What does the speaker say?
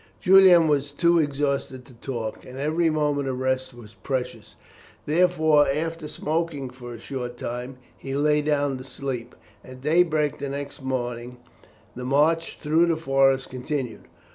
Julian was too exhausted to talk, and every moment of rest was precious. Therefore, after smoking for a short time, he lay down to sleep. At daybreak the next morning the march through the forest continued.